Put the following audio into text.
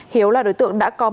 hiếu là đối tượng đã có một tiền